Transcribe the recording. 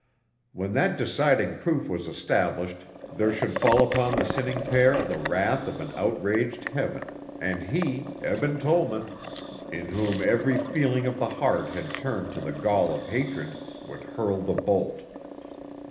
When that deciding proof was established there should fall upon the sinning pair the wrath of an outraged heaven, and he, Eben Tollman, in whom every feeling of the heart had turned to the gall of hatred, would hurl the bolt.